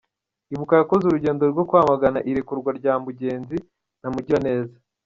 Ibuka yakoze urugendo rwo kwamagana irekurwa rya Mugenzi na Mugiraneza